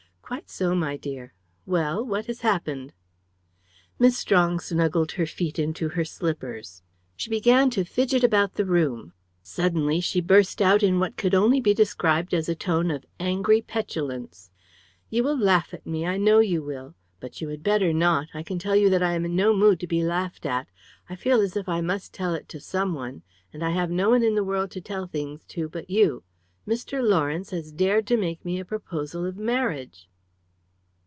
"Quite so, my dear. Well, what has happened?" Miss Strong snuggled her feet into her slippers. She began to fidget about the room. Suddenly she burst out in what could only be described as a tone of angry petulance. "You will laugh at me I know you will. But you had better not. I can tell you that I am in no mood to be laughed at. I feel as if I must tell it to some one, and I have no one in the world to tell things to but you Mr. Lawrence has dared to make me a proposal of marriage."